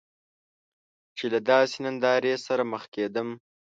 چې له داسې نندارې سره مخ کیدم.